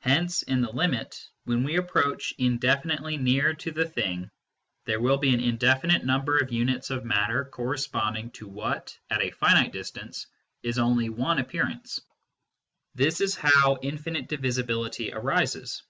Hence in the limit, when we approach indefinitely near to the thing there will be an indefinite number of units of matte i corresponding to what, at a finite distance, is only one appearance. This is how infinite divisibility arises.